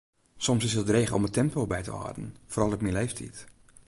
Soms is it dreech om it tempo by te hâlden, foaral op myn leeftiid.